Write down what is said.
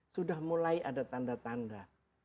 sudah mulai ada tanda tanda